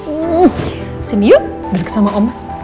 oma sini yuk duduk sama oma